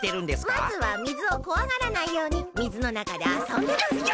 まずはみずをこわがらないようにみずのなかであそんでます。